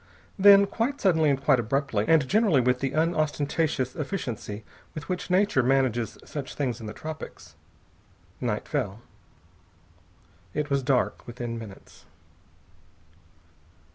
Then, quite suddenly and quite abruptly, and generally with the unostentatious efficiency with which Nature manages such things in the tropics, night fell. It was dark within minutes.